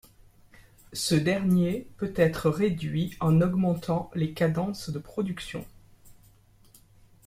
Ce dernier peut être réduit en augmentant les cadences de production.